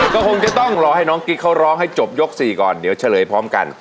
ก็คงจะต้องรอให้น้องกิ๊กเขาร้องให้จบยก๔ก่อนเดี๋ยวเฉลยพร้อมกัน